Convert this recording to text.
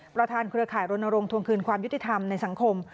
เครือข่ายรณรงควงคืนความยุติธรรมในสังคม